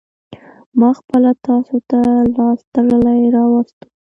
ما خپله تاسو ته لاس تړلى راوستو.